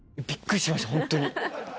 びっくりしました、本当に。